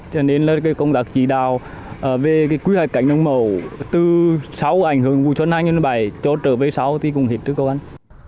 cho nên là công tác chỉ đạo về quyết hại cánh đồng mẫu từ sáu ảnh hưởng vụ xuân hai nghìn một mươi bảy cho trở về sáu thì cũng hết sức khó khăn